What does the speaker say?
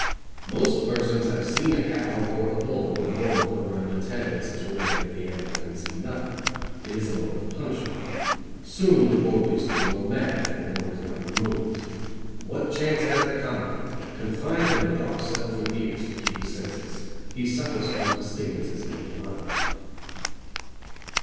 "Most persons have seen a cow or a bull with a board put around its head in such a way that the animal can see nothing. It is a mode of punishment. Soon the poor beast will go mad, if the board is not removed. What chance has the convict, confined in a dark cell for years, to keep his senses? He suffers from astigmatism of the mind."